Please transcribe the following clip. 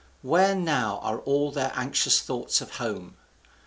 Where now are all their anxious thoughts of home?